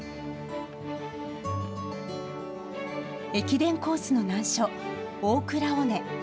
駅伝コースの難所、大倉尾根。